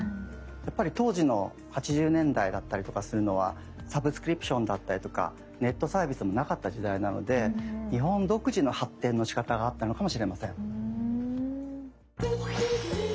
やっぱり当時の８０年代だったりとかするのはサブスクリプションだったりとかネットサービスもなかった時代なので日本独自の発展のしかたがあったのかもしれません。